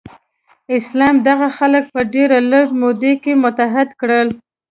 اسلام دغه خلک په ډیره لږه موده کې متحد کړل.